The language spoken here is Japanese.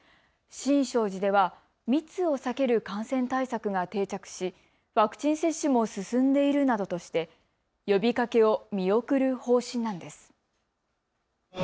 新勝寺では密を避ける感染対策が定着しワクチン接種も進んでいるなどとして呼びかけを見送る方針なんです。